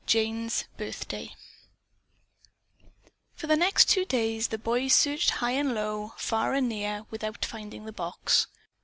JANE'S BIRTHDAY For the next two days the boys searched high and low, far and near, without finding the box.